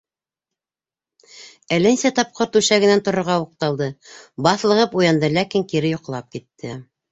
Әллә нисә тапҡыр түшәгенән торорға уҡталды, баҫлығып уянды, ләкин кире йоҡлап китте.